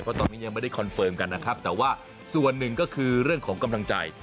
เพราะตอนนี้ยังไม่ได้คอนเฟิร์มกันนะครับแต่ว่าส่วนหนึ่งก็คือเรื่องของกำลังใจ